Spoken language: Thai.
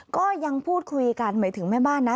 ก็ยังพูดคุยกันหมายถึงแม่บ้านนะ